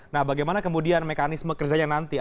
nah bagaimana kemudian mekanisme kerjanya nanti